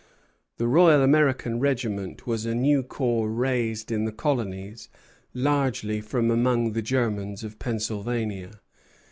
The Royal American regiment was a new corps raised, in the colonies, largely from among the Germans of Pennsylvania.